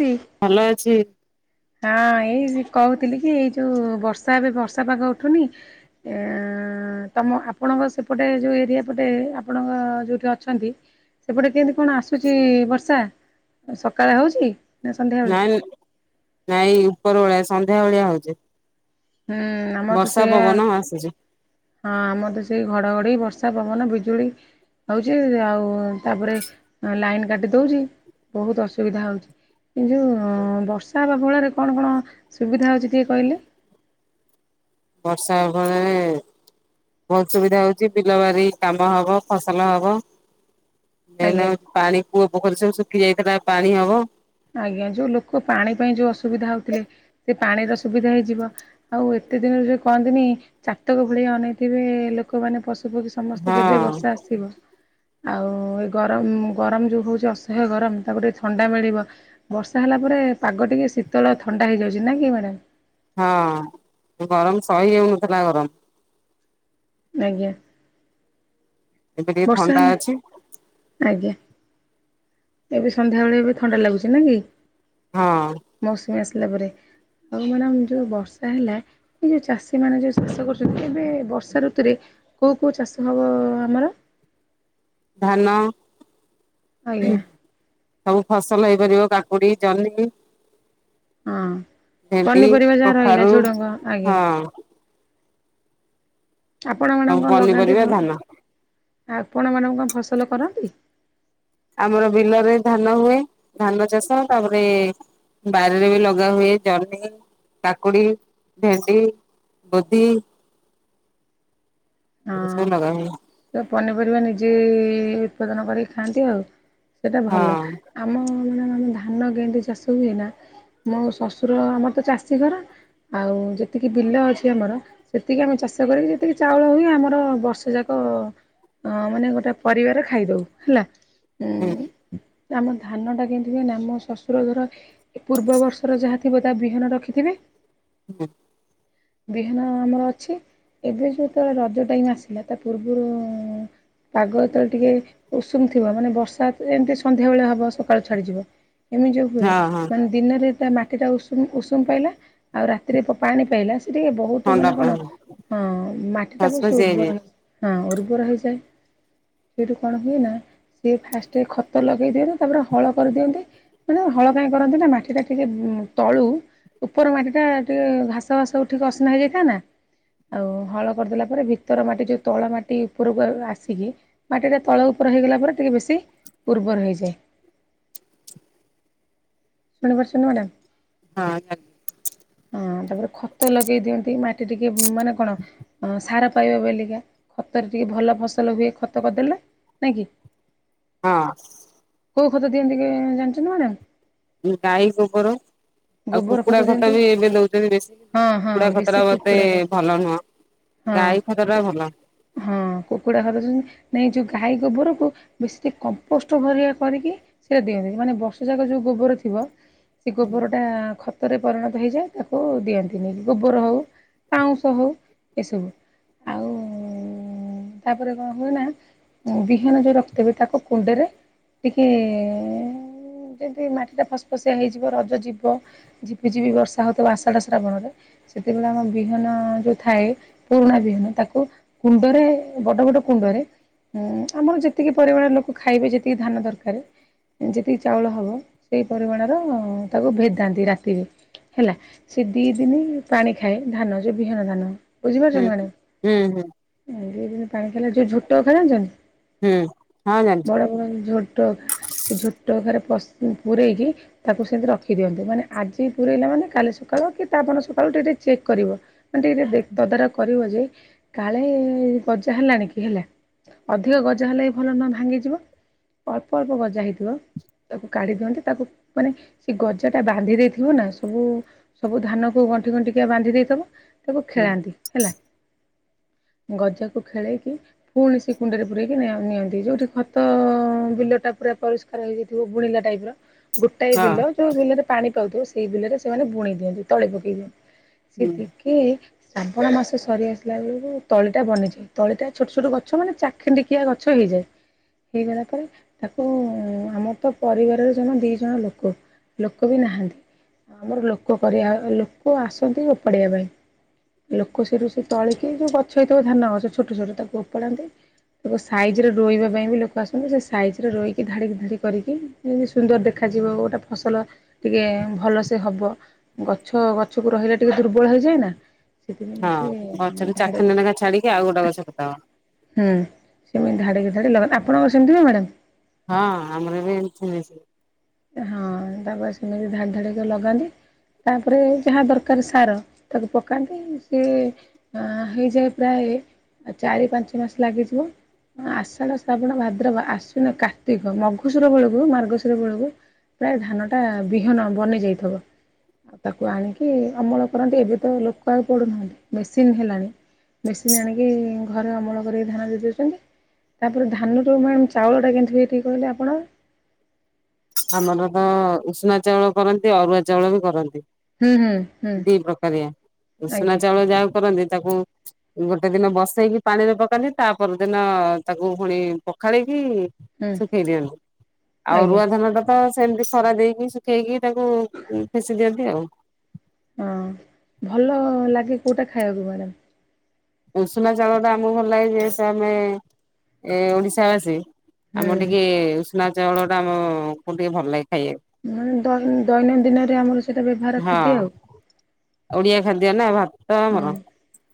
ଦି ଭଲ ଅଛି ହଁ ଏଇ କହୁଥିଲି କି ଏଇ ଯୋଉ ବର୍ଷା ଏବେ ବର୍ଷା ପାାଗ ଉଠୁନି ଏ ତମ ଆପଣଙ୍କ ସେପଟେ ଯୋଉ ଏରିଆ ପଟେ ଆପଣଙ୍କ ଯୋଉଠି ଅଛନ୍ତି ସେପଟେ କେମିତି କଣ ଆସୁଛି ବର୍ଷା ସକାଳେ ହଉଛି। ନାଁ ସନ୍ଧ୍ୟା ବେଳେ। ନାଇଁ ନାଇଁ ଉପର ଭଳିଆ ସନ୍ଧ୍ୟା ଭଳିଆ ହଉଛେ ହୁଁ ଆମର ତ ସେଇଆା ଆସୁଛି ହଁ ଆମର ତ ସେଇ ଘଡ଼ଘଡ଼ ବର୍ଷା ବର୍ଷା ପବନ ବିଜୁଳି ହଉଛି ଆଉ ତାପରେ ଲାଇନ୍ କାଟି ଦଉଛି ବହୁତ ଅସୁବିଧା ହଉଛି କି ଯେଉ ବର୍ଷା ହେବା ଫଳରେ କଣ କଣ ସୁବିଧା ହେଉଛି ଟିକେ କହିଲେ। ବର୍ଷା ଫଳରେ ବହୁତ ସୁବିଧା ହଉଛି ବିଲ ବାରି କାମ ହବ ଫସଲ ହବ ଆଜ୍ଞା। ନାଇଲେଉ ପାଣି ପୁଅ ପୋଖର ସୁ ଖି ଯାଇଥିଲା ପାଣି ହବ ଆଜ୍ଞା ଯୋଉ ଲୋକ ପାଣି ପାଇଁ ଯୋଉ ଅସୁବିଧା ହଉଥିଲେ ସେ ପାଣିର ସୁବିଧା ହେଇଯିବ ଆଉ ଏତେ ଦିନରୁ ଯୋଉ କହନ୍ତିନି ଚାାତକ ଭଳିଆ ଅନେଇଥିବେ ଲୋକମାନେ ପ ସେପକି ସମସ୍ତେ କେବେ ହଁ ବର୍ଷା ଆସିବ? ଆଉ ଏ ଗରମ ଗରମ ଯୋଉ ହଉଛି ଅସହ୍ୟ ଗରମ ତାକୁ ଟିକେ ଥଣ୍ଡା ମିଳିବ ବର୍ଷା ହେଲା ପରେ ପାଗ ଟିକେ ଶୀତଳ ଥଣ୍ଡା ହେଇଯାଉଛି ନ କି ମ୍ୟାଡ ହଁ ଗରମ ସହିହଉନଥିଲା ଗରମ ଆଜ୍ଞା। ଏବେ ଟିକେ ବର୍ଷା ଥଣ୍ଡା ହେଲା ଅଛି ଆଜ୍ଞା ଏବେ ସନ୍ଧ୍ୟାବେେଳେ ଏବେ ଥଣ୍ଡା ଲାଗୁଛି ନ କି? ହଁ। ହେଲା ପରେ ଆଉ ମାନ ଯେଉଁ ବର୍ଷା ହେଲା ଏ ଯେଉଁ ଚାଷୀମାନେ ଯେଉଁ ଚାଷ କରୁଛନ୍ତି ଏବେ ବର୍ଷା ଋତୁରେ କଉ କଉଁ ଚାଷ ହବ ଆମର ଧାନ ଆଜ୍ଞା ସବୁ ଫସ୍ ହେଇପାରିବ କାକୁଡି ଜହ୍ନି। ହଁ। ଭେଣ୍ଡି ପନିପରିବା ଯାହା ରହିଲା କଖାରୁ ଝୁଡଙ୍ଗ ଆଜ୍ଞା ହଁ ଆପଣ ସବୁ ମାନଙ୍କୁ କଣ ଲଗାନ୍ତି? ପନିପରିବା ଧାନ ଆପଣମାନଙ୍କୁ କଣ ଫସଲ କରନ୍ତି। ଆମର ବିଲରେ ଧାନ ହୁଏ ଧାନ ଚାଷ ତାପରେ ବାରିରେ ବି ଲଗା ହୁଏ ଜହ୍ନି କାକୁଡି ଭେଣ୍ଡି ବୋଧି ହଁ ଏ ସବୁ ଲଗା ହୁଏ ସେ ପନିପରିବା ନିଜେ ଉପଦନ କରିକି ଖାଆନ୍ତି ଆଉ ସେଇଟା ଭଲ ହଁ ଆମ ଁ ମ୍ୟାଡ଼ ଆମ ଧାନ ଗେଣ୍ଡି ଚାଷ ହୁଏ ନା ମୁୋ ଶ୍ଶୁର ଆମର ତ ଚାଷୀ ଘର ଆଉ ଯେତିକି ବିଲ ଅଛି ଆମର ସେତିକି ଆମେ ଚାଷ କରିକି ଯେତିକି ଚାଉଳ ହୁଏ ଆ ଆମର ବର୍ଷ ଯାକ ଅ ମାନେ ଗୋଟେ ପରିବାର ଖାଇଦଉ ହେଲା ହୁଁ। ଆମ ଧାନଟା କିଣିଥିବେ ନା ଆମ ଶ୍ୱଶୁର ଧର ପୂର୍ବବର୍ଷର ଯାହାଥିବ ତା ବିହନ ରଖିଥିବେ ହୁଁ। ବିହନ ଆମର ଅଛି ଏବେ ଯେଉତେବେଳେ ରଜ ଟାଇମ ଆସିଲା ତା ପୂର୍ବରୁ ପାଗ ଯେତେବେଳେ ଟିକେ ଉଷୁମ ଥିବ ମାନେ ବର୍ଷା ଏମିତି ସନ୍ଧ୍ୟାବେେଳେ ହବ ସକାଳୁ ଛାଡିଯିବ ଏମିତିଉ ହୁଏ ହଁ ହଁ ମାନେ ଦିନରେ ମାଟି ଟା ଉଷୁମ ଉଷୁମ ପାଇଲା ଆଉ ରାତିରେ ପାଣି ପାଇଲା। ସେ ଟିକେ ବହୁତ ଥଣ୍ଡା ମାନେ ପାଇଁ କଣ ହଁ ମାଟି ତା ଫାସ ବ ସେ ଫାସି ହେଇଯାଏ ଉର୍ବର ହେ ହଁ ଉବ ହେଇଯାଏ ସେଠୁ କଣ ହୁଏ ନା ସିଏ ଫାଷ୍ଟ ଖତ ଲଗେଇ ଦିଅନ୍ତି ତାପରେ ହଳ କରିଦିଅନ୍ତି ମାନେ ହଳ କ କରନ୍ତି ନା ମାଟି ଟା ଟିକେ ତଳୁ ଉପର ମାଟି ଟା ଟିକେ ଘାସ ଘାସ ହେଯାଇଥା ଆଉ ହଳ କରିଦ ପରେ ଭ ମାଟି ଆସି ମାଟି ଶୁଣିପାରୁଛନ ମ୍ୟାଡ଼ାମ। ହଁ। ହଁ ତାପରେ ଖତ ଲଗେଇ ଦିଅନ୍ତି ମାଟି ଟିକେ ମାନେ କଣ ସାର ପାଇବା ବେଲିକା ଖତରେ ଟିକେ ଭଲ ଫସଲ ହୁଏ ଖତ କରିଦେଲେ ନାଇଁ କି। ହଁ। କୋଉ ଖତ ଦିଅନ୍ତି କି ଜାଣିଛନ୍ତି ମ୍ୟାଡ଼ାାମ। ଗାଈ ଗୋବର ଆଉ ଗୋବର କୁକୁଡା ଖତ ଦିଅନ୍ତି ବି ଏବେ ଦଉଛନ୍ତି ବେଶୀ ହଁ ହଁ କୁକୁଡା ଖତ ବେଶୀ ଟା ମତେ କୁକୁଡ଼ା ଖତ ଭଲ ନୁହଁ ହଁ। ଗାଈ ଖତ ଟା ଭଲ। ଗାହି ଗୋବରକୁ ବେଶୀ କମ୍ପୋଷ୍ଟ ଭରଆ କରିକି ସେ ଦିଅନ୍ତି ମାନେ ବର୍ଷ ଯାକ ଯୋଉ ଗୋବର ଥିବା ସେ ଗୋବର ଟା ଖ ରତରେ ପରିଣତ ହେଇଯାଏ ତାକୁ ଦିଅନ୍ତିନି ଗୋବର ହଉ ପାଉଁଶ ହଉ ଏସବୁ ଆଉ ତାପରେ କଣ ହୁଏ ନା ବିହନ ଯେଉ ରଖତବେ ତାକୁ କୁଣ୍ଡରେ ଟିକେ ଯେମିତି ମାଟି ସେଟା ଫସଫସିଆ ହେଇଯିବ ରଜ ଯିବ ଝିପିଝିପି ବର୍ଷା ହଉଥିବ ଆଷାଢା ଶ୍ରାବଣରେ ସେତେବେଳେ ଆମ ବିହନ ଯୋଉ ଥାଏ ପୁରୁଣା ବିହନ ତାକୁ କୁଣ୍ଡରେ ବଡ ବଡ଼ କୁଣ୍ଡରେ ଆମର ଯେତିକି ପରିମାଣରେ ଲୋକ ଖାଇବେ ଯେତିକି ଧାନ ଦରକାର ଯେତିକି ଚାଉଳ ହବ। ସେଇ ପରିମାଣର ତାକୁ ଭେଦାନ୍ତି ରାତିରେ ହେଲା ସେ ଦି ଦିନ ପାଣି ଖାଏ ଧାନ ଯଉ ବିହନ ଧାନ ହୁଁ ବୁଝିପାରୁଛନ୍ତି ହ ମ୍ୟାଡ଼ାମ ହୁଁ ହୁଁ। ପାଣି ଖେଲା ଯଉ ଝୋଟ ଖାନଛ ହୁଁ ହୁଁ ହଁ ଜାଣିଛି ବଡ ବଡ ଝୋଟ ସେ ଝୋଟ ଘରେ ପ ହୁଁ। ପୂରେଇକି ତାକୁ ସେମିତି ରଖିଦିଅନ୍ତୁ ମାନେ ଆଜି ପୁରରେଇଲା ମାନେ କାଳେ ଶୁଖା କି ତାପରେ ସଖାଳୁ ଟିକେେ ଚେକ୍ କରିବ ମାନେ ଟିକେେ ତଦାରଖ କରିବ ଯେ କାଳେ ଗଜା ହେଲାଣି କି ହେଲା ଅଧିକ ଗଜା ହେଲା ବି ଭଲ ନୁହେଁ ଭାଙ୍ଗିଯିବ ଅଳ୍ପ ଅଳ୍ପ ଗଜା ହେଇଥିବ ତାକୁ କାଢ଼ି ଦିଅନ୍ତ। ତାକୁ ମାନେ ସେ ଗଜା ଟା ବାନ୍ଧି ଦେଇଥିବ ନା ସବୁ ସବୁ ଧାନ କ ଗଣ୍ଠି ଗଣ୍ଟିକିଆ ବାନ୍ଧି ଦେଇଥିବ। ତାବ ହୁଁ ଖେଳାନ୍ତି ହେଲା। ଗଜାକୁ ଖେଳେଇକି ପୁଣି ସେ କୁଣ୍ଡରେ ପୂରେକି ନିଅନ୍ତି ଯୋଉଠି ଖତ ବିଲ ଟା ପୁରା ପରିଷ୍କାର ହେଇଯାଇଥିବ ବୁଣିଲା ଟାଇପ ର ଗୋଟାଏ ହଁ ବିଲ ଯୋଉ ବିଲରେ ପାଣି ପାଉଥିବ ସେଇ ବିଲ ରେ ସେମାନେ ବୁଣି ଦିଅନ୍ତି ତଳେ ପକେଇ ଦିଅନ୍ତି। ହୁଁ ସେତିକି ଶ୍ରାବଣ ମାସ ସରି ଆସିଲା ବେଳକୁ ତଳିଟା ବନିଯା ତଳିଟା ଛୋଟ ଛୋଟ ଗଛ ମାନେ ଚାଖିଣ୍ଡିକିଆ ଗଛ ହେଇଯାଏ ହେଇଗଲା ପରେ ତାକୁ ଆମର ତ ପରିବାର ଜଣ ଦି ଜଣ ଲୋକ ଲୋକ ବି ନାହାନ୍ତି ଆମର ଲୋକ କରିବା ଲୋକ ଆସନ୍ତି ଓପାଡିବା ପାଇଁ ଲୋକ ସେଠୁ ସେ ତଳିକି ଯୋଉ ଗଛ ହେଇଥିବ ଧାନ ଗଛ ଛୋଟ ଛୋଟ ତାକୁ ଓୋପାଡାନ୍ତି ତାକୁ ସାଇଜ ରେ ରୋୋଇବା ପାଇଁ ବି ଲୋକ ଆସନ୍ତି ସେ ସାଇଜ ରେ ରୋଇକି ଧାଡିକି ଧାଡି କରିକି ସୁନ୍ଦର ଦେଖାଯିବ ଗୋଟେ ଫସଲ ଟିକେ ଭଲସେ ହବ ଗଛ ଗଛକୁ ରହିଲା ଟିକେ ଦୁର୍ବଳ ହେଇଯାଏ ନା। ସେଥିମ ହଁ ସେ ଗଛରୁ ଧଡ଼େ ଚାଖଣ୍ଡେ ଲେଖା ଛାଡିକି ଆଉ ଗୋଟେ ଗଛ ପୋତା ହବ। ହୁ ସେମ ଧ ଧ ଲଗ ଆପଣଙ୍କ ସେମିତି ନା ମ୍ୟାଡ଼ାମ୍। ହଁ ଆମର ବି ଏ ସେ ହଁ ତାପରେ ସେମିତି ଧାଡି ଧାଡ଼ିକ ଲଗାନ୍ତି ତାପରେ ଯାହା ଦରକାର ସାର ତାକୁ ପକାନ୍ତି ସିଏ ହେଇଯାଏ ପ୍ରାୟ ଚାରି ପାଞ୍ଚ ମାସ ଲାଗିଯିବ ଆଷାଢ ଶ୍ରାବଣ ଭାଦ୍ର ଆସୁନ କାର୍ତ୍ତିକ ମଘୁସୂୁର ବେଳକୁ ମାର୍ଗଶୁର ବେଳକୁ ପ୍ରାୟ ଧାନ ଟା ବିହନ ବନି ଯାଇଥିବ ଆଉ ତାକୁ ଆଣିକି ଅମଳ କରନ୍ତି ଏବେ ତ ଲୋକ ଆଉ ପଡୁନାହାନ୍ତି ମେସିନ ହେଲାଣି ବେଶିନି ଆଣକ ଅମଳ କରି ଧାନ ଦେଇ ଦେଉଛନ୍ତି ତାପରେ ଧାନୁ ମ ଚାଉଳଟା କେମିତି ହୁ କହିଲେ ଆପଣ ଆମର ତ ଉଷନା ଚାଉଳ କରନ୍ତି ଅରୁଆ ଚାଉଳ ବି କରନ୍ତି। ହୁଁ ହୁଁ ହୁଁ ଦି ପ୍ରକାରିଆ ଉସୁନା ଆଜ୍ଞା ଚାଉଳ ଯାହା କରନ୍ତି ତାକୁ ଗୋଟେ ଦିନ ବସେଇକି ପାଣିରେ ପକାନ୍ତି ତା ପରଦିନ ତାକୁ ପୁଣି ପଖାଳିକି ହୁଁ ଶଖେଇ ଦିଅନ୍ତୁ ଆଉ ଆଜ୍ଞା ଅରୁଆ ଧାନ ତ ସେମିତି ଖରା ଦେଇକି ଶୁଖେଇକି ତାକୁ ଫେସି ଦିଅ ହଉ। ହଁ ଭଲ ଲାଗେ କୋଉଟା ଖାଇବାକୁ ମ୍ୟାଡ଼ମ୍? ଉଷୁନା ଚାଉଳ ଟା [unintelligible] ଏ ଓଡିଶାବାସୀ। ଆମର ହୁଁ ଟିକେ ଉଷୁନା ଚାଉଳ ଟା ଆମକୁ ଟିକେ ଭଲ ଲାଗେ। ଖାଇବାକୁ। ମାନେ ଦୈନ ଦୈନନ୍ଦିନରେ ଆମର ସବୁ ତ ବ୍ୟବହାର ହଁ। ଖାଦ୍ୟ ଆଉ। ଓଡିଆ ଖାଦ୍ୟ ନା ଭାତ ହଁ ଆମର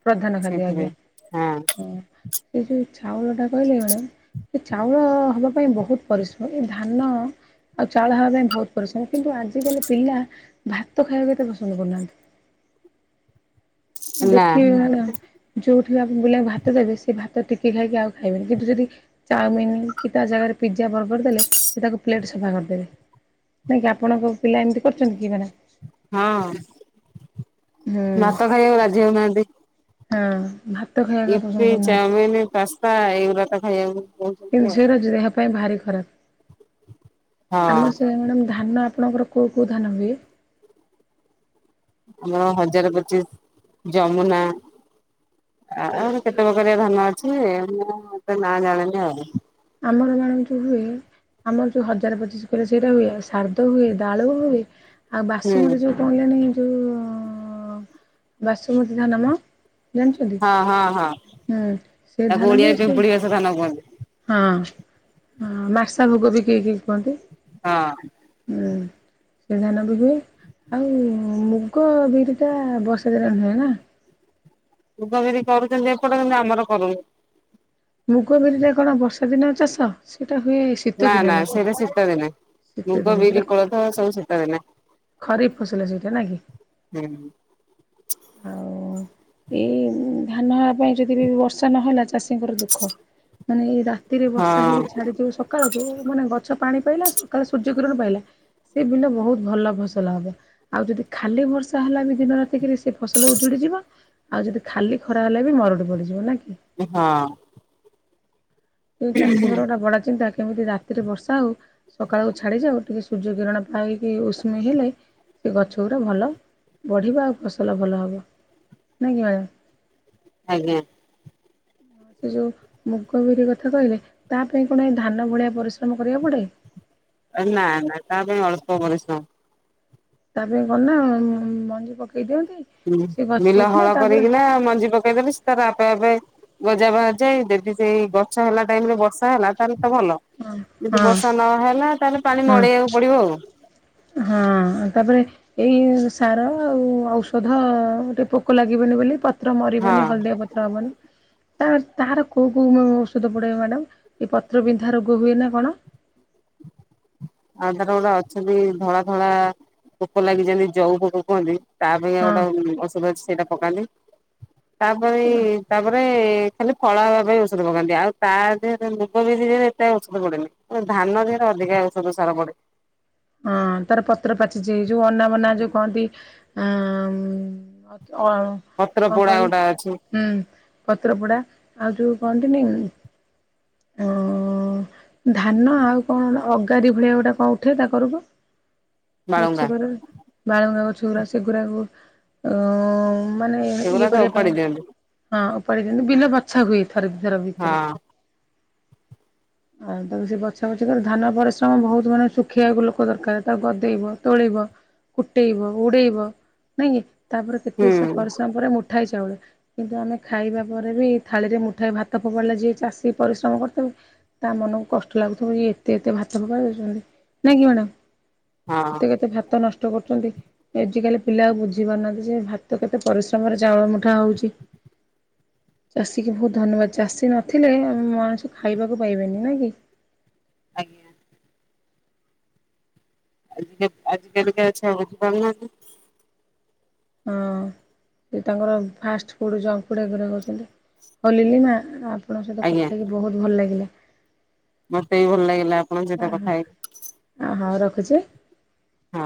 ପ୍ରଧାନ ଖାଦ୍ୟ ଆଜ୍ଞା ହଁ ସେ ଯୋଉ ଚାଉଳ ଟା କହିଲି ମ୍ୟାଡ଼ାମ। ଏ ଚାଉଳ ହବା ପାଇଁ ବହୁତ ପରିଶ୍ରମ ଏ ଧାନ ଆଉ ଚାଉଳ ହବା ପାଇଁ ବହୁତ ପରିଶ୍ରମ କିନ୍ତୁ ଆଜିିକାଲି ପିଲା ଭାତ ଖାଇବାକୁ ଏତେ ପସନ୍ଦ କରୁନାହାନ୍ତି। [unintelligible] ନା ଭାତ ଟିକେ ଖାଇକି ଆଉ ଖାଇବେନି କିନ୍ତୁ ଯଦି ଚାମିନ କି ତା ଜାଗାରେ ପିଜା ବର୍ଗର ଦେଲେ ତାକୁ ପ୍ଲେଟ୍ ସଫ୍ ସଫା କରଦେବେ ହଁ କି ଆପଣଙ୍କ ପିଲା ଏମିତି କରୁଛନ୍ତି କି ମ୍ୟାଡ଼ାମ? ହଁ। ହଁ ଭାତ ଖାଇବାକୁ ରାଜି ହଉନାହାନ୍ତି। ହଁ। ୟିପି ଚାଉମିିନ ପାସ୍ତା ସ୍ତା ଏଇଗୁଡ଼ାତ ଖାଇବାକୁ କହୁଛନ୍ତି ଏବେ ଆଉ। ଝିଅ ର ଯାହା ପାଇଁ ଭାରି ଖରାପ। ହଁ ଆମର ସେ ମ୍ୟାଡ଼ାମ ଧାନ ଆପଣଙ୍କର କୋଉ କୋଉ ଧାନ ମିଳେ? ଆମର ହଜାରେ ପଚିଶ ଯମୁନା ଆ ଆଉରି କେତେ ପ୍ରକାରିଆ ଧାନ ଅଛି। ଯେ ମୁଁ ତା ନାଁ ଜାଣେନି ଆଉ ଆମର ମ୍ୟାଡ଼ାମ ଯୋଉ ହୁଏ ଆମର ଯୋଉ ହଜାର ପଚିଶ ଉପରେ ସେଇଟା ହୁଏ ଆଉ ଶାରଦ୍ଦ ହୁଏ ଦାଳ ହୁଏ। ଆଉ ହୁଁ ବାସୁମତୀ ଯୋଉ କହିଲ ନି ଯୋଉ ବାସୁମତୀ ଧାନ ମ ଜାଣିଛନ୍ତି ହଁ ହଁ ହଁ ହୁଁ ସେ ଧାନ ତାକୁ ହୁଏ ଓଡିଆରେ ସେ ପିମ୍ପୁଡି ବସା ଧାନ କୁହନ୍ତି। ହଁ ମାସା ଭୋଗ ବି କେଇ କେଇ କୁହନ୍ତୁ ହଁ। ହୁଁ। ସେ ଧାନ ବି ହୁଏ ଆଉ ମୁଗ ବିରିଟା ବର୍ଷାଦିନ ନୁହଁ ନା। ମୁଗ ବିରି କରୁଛନ୍ତି ଏପଟ କିନ୍ତୁ ଆମର କରୁନୁ। ମୁଗ ବିରିରେ କଣ ବର୍ଷା ଦିନ ଚାଷ ସେ ନା ନା ସେଇଟା ଶୀତ ଦିନେ ଶୀତ ମୁଗ ଦିନେ ସେଇଟା ବିରି କୋଳଥ ସବୁ ଶୀତ ଦିନେ। ଖରିଫ ଫସଲ ସେଇଟା ନା କି। ହୁଁ ଆଉ ଏଇ ଧାନ ହେବା ପାଇଁ ଯଦି ବି ବର୍ଷା ନହେଲା ଚାଷୀ ଚାଷୀଙ୍କର ଦୁଃଖ ମାନେ ଏଇ ରାତିରେ ବର୍ଷା ହେଇକି ହଁ। ଛାଡି ଯିବ ସଖାଳକୁ ମାନେ ଗଛ ପାଣି ପାଇଲା ସକାଳ ସୂର୍ଯ୍ୟ କି କିରଣ ପାଇଲା ସେ ବିଲ ବହୁତ ଭଲ ଫସଲ ହବ ଆଉ ଯଦି ଖାଲି ବର୍ଷା ହେଲା ବି ଦିନ ରାତିକିରି ସେ ଫସଲ ଉଜୁଡିଯିବ ଆଉ ଯଦି ଖାଲି ଖରା ହେଲେ ବି ମରୁଡି ପଡିଯିବ ନା କି। ହଁ। କିନ୍ତୁ ଚାଷୀଙ୍କର ଏଟା ବଡ ଚିନ୍ତା କେମିତି ରାତିରେ ବର୍ଷା ହେଉ ସକାଳକୁ ଛାଡ଼ିଯାଉ ଟିକେ ସୂର୍ଯ୍ୟ କିରଣ ପାଇକି ଉଷ୍ମ ହେଲେ ସେ ଗଛ ଗୁଡ଼ା ଭଲ ବଢ଼ିବ ଆଉ ଫସଲ ଭଲ ହେବ ନୁହେଁକି ମ୍ୟାଡ଼ମ୍। ଆଜ୍ଞା। ସେ ଯୋଉ ମୁଗ ବିରି କଥା କହିଲେ ତା ପାଇଁ କଣ ଏଁ ଧାନ ଭଳିଆ ପରିଶ୍ରମ କରିବାକୁ ପଡେ। ନା ନା ତା ପାଇଁ ଅଳ୍ପ ପରିଶ୍ରମ। ତା ପାଇଁ କଣ ନା ମଞ୍ଜି ପକ ହୁଁ ବିଲ ହଳ କରିକିନା ମଞ୍ଜି ପକେଇଦେବେ ସେ ତାର ଆପେ ଆପେ ଗଜା ବାହାରି ଯାଏ ଯଦି ସେଇ ଗଛ ହେଲା ଟାଇମ ରେ ବର୍ଷା ହେଲା ତାହେଲେ ତ ଭଲ ହଁ ଯଦି ହଁ ବର୍ଷା ନହେଲା ତାହେଲେ ପାଣି ହଁ ମଡେଇବାକୁ ପଡିବ ଆଉ। ହଁ ତାପରେ ଏଇ ସାର ଆଉ ଔଷଧ ଟେ ପୋକ ଲାଗିବନି ବୋଲି ପ ପତ୍ର ହଁ ମରିିବନି ହଳଦିଆ ପତ୍ର ହବନି। ତାପରେ ତାହାର କୋଉ କୋଉ ଉଁ ଔଷଧ ପଡିବ ମ୍ୟାଡାମ ଏ ପତ୍ରବିନ୍ଧା ରୋଗ ହୁଏ ନା କଣ। ଆଧାର ଗୁରା ଅଛନ୍ତି ଧଳା ଧଳା ପୋକ ଲାଗିଯାନ୍ତି ଜଉ ପୋକ କୁହନ୍ତି। ତା ପାଇଁ ହଁ ଆଉ ଗୋଟେ ଉଁ ଔଷଧ ଅଛି ସେଇଟା ପକାନ୍ତି। ତାପରେ ତାପରେ ଖାଲି ଫଳ ହବା ପାଇଁ ଔଷଧ ପକାନ୍ତି ଆଉ ତା ଦେହରେ ମୁଗ ବିରି ରେ ଏତେ ଔଷଧ ପଡେନି କିନ୍ତୁ ଧାନ ଦେହରେ ଅଧିକା ଔଷଧ ସାର ପଡେ। ହାଁ ତାର ପତ୍ର ପାଚିଛି ଯୋଉ ଅନାବନା ଯୋଉ କହନ୍ତି ଆଃ ଅଆଁ ପତ୍ର କଣ ପୋଡା କହିଲେ ଗୋଟା ଅଛି ହୁଁ ପତ୍ରପଡ଼ା ଆଉ ଯୋଉ ବଣ୍ଡିନିଙ୍ଗ। ଓ ଧାନ ଆଉ କଣ ଅଗାରି ଭଳିଆ ଗୋଟା କଣ ଉଠେ ତା କରକୁ। ବାଳୁଙ୍ଗା ଗଛକରରେ ବାଳୁଙ୍ଗା ଗଛ ଛୁରା ସେଗୁରା କୁ ଓଁ ମାନେ ଇଏ ସେଗୁଡା ତ କରିବା ଓପାଡି ପାଇଁ ଦିଅନ୍ତି ହଁ। କରିଚନ୍ତି ବିିଲ ବାଛା ହୁଏ। ଥରେ ଦି ଥର ହଁ ଭିତରେ। ଆଉ ତାକୁ ସେ ବଛା ବଛି କରେ ଧାନ ପରିଶ୍ରମ ବୋହୁତ ମାନେ ଶୁଖେଇବାକୁ ଲୋକ ଦରକାର ତାକୁ ଗଦେଇବ ତୋଳିବ କୁଟେଇବ ଉଡେଇବ। ନାଇଁ କି? ତାପରେ କେତେ ହୁଁ ସ ପରିଶ୍ରମ ପରେ ମୁଠା ହେଇ ଚାଉଳ କିନ୍ତୁ ଆମେ ଖାଇବା ପରେ ବି ଥାଳିରେ ମୁଠାଏ ଭାତ ଫୋପାଡିଲା ଯିଏ ଚାଷୀ ପରିଶ୍ରମ କରିଥିବ ତା ମନକୁ କଷ୍ଟ ଲାଗୁଥୁବ ଇଏ ଏତେ ଏତେ ଭାତ ଫୋପାଡି ଦୋଉଚନ୍ତି। ନାଁ କି ମ୍ୟାଡାମ୍? ହଁ କେତେ କେତେ ଭାତ ନଷ୍ ଟ କରୁଚନ୍ତି। ଆଜିକାଲି ପିଲା ଆଉ ବୁଝି ପାରୁନାହାନ୍ତି ଯେ ଭାତ କେତେ ପରିଶ୍ରମରେ ଚାଉଳ ମୁଠା ହୋଉଚି। ଚାଷୀ କି ବୋହୁତ ଧନ୍ୟବାଦ ଚାଷୀ ନଥିଲେ ଆ ମଣିଷ ଖାଇବା କୁ ପାଇବେନି। ନା କି? ଆଜ୍ଞା। ଆଜିିକା ଆଜିିକାଲିିକା ଛୁଆ ଉଠି ପାରୁନାହାନ୍ତି। ହଁ ସେ ତାଙ୍କର ଫାଷ୍ଟ ଫୁଡ ଜଙ୍କ ଫୁଡ଼ ଏଗୁରା କାଉଚନ୍ତି ହଁ ଲିଲି ମା ଆ ଆପଣଙ୍କ ସହିତ ଆଜ୍ଞା କଥା ହେଇକି ବହୁତ ଭଲ ଲାଗିଲା। ମତେ ବି ଭଲ ଲାଗିଲା ଆପଣଙ୍କ ସହିତ କଥା ହେଇକି। ଖଚେ ହଁ।